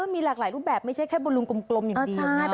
มีหลากหลายรูปแบบไม่ใช่แค่บนลุงกลมอย่างเดียว